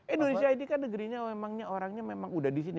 indonesia ini kan negerinya memangnya orangnya memang udah disini